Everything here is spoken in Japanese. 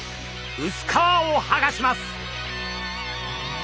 薄皮をはがします！